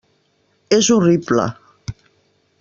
És horrible.